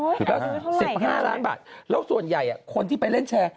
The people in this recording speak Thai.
ผิดแล้ว๑๕ล้านบาทแล้วส่วนใหญ่คนที่ไปเล่นแชร์